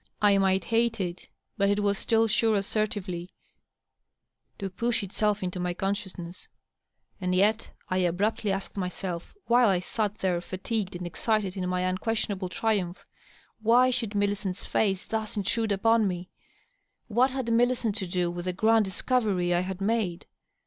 I might hate it, but it was still sure assertively to push itself into my consciousness. •. And yet I abruptly asked myself, while I sat there, fatiraed and excited in my unquestionable triumph, why should Millicenrs fisu?e thus intrude upon me ? What had Millicent to do with the grand discovery I had made?